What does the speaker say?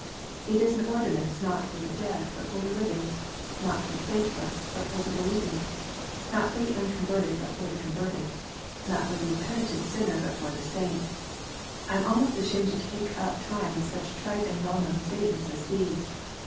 It is an ordinance not for the dead but for the living, not for the faithless but for the believing, not for the unconverted but the converted, not for the impenitent sinner but for the saint. I am almost ashamed to take up time with such trite and well known statements as these.